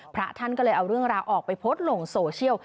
พระท่านก็เลยเอาเรื่องราวออกไปโพสต์ลงโซเชียล